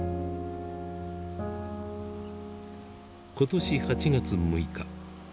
今年８月６日。